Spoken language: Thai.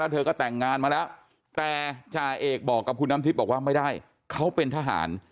เธอก็แต่งงานมาแล้วแต่จ่าเอกบอกกับคุณน้ำทิพย์บอกว่าไม่ได้เขาเป็นทหาร